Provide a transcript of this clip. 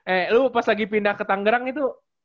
eh lu pas lagi pindah ke tangerang itu